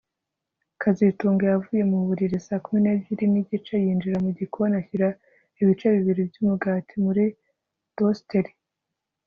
kazitunga yavuye mu buriri saa kumi nebyiri nigice yinjira mu gikoni ashyira ibice bibiri byumugati muri toasteri